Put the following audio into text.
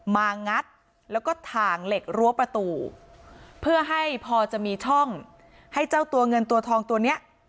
งัดแล้วก็ถ่างเหล็กรั้วประตูเพื่อให้พอจะมีช่องให้เจ้าตัวเงินตัวทองตัวเนี้ย